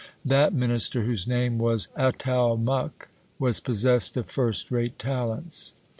That minister, whose name was Atalmuc, was possessed of first rate talents.